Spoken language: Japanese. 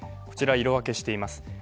こちら色分けしています。